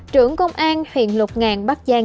trưởng công an huyện lục ngàn bắc giang